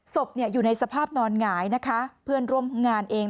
ศพอยู่ในสภาพนอนหงายนะคะเพื่อนร่วมงานเอง